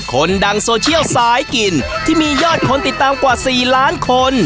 คนดังโซเชียลสายกินที่มียอดคนติดตามกว่า๔ล้านคน